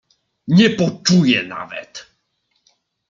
"Nie poczuje nawet!"